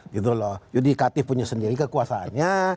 jadi eksekutif punya sendiri kekuasaannya